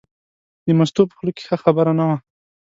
د مستو په خوله کې ښه خبره نه وه.